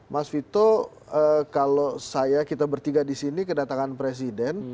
mas vito kalau saya kita bertiga disini kedatangan presiden